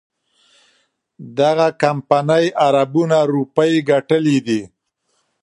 دغه کمپنۍ اربونه روپۍ ګټلي دي.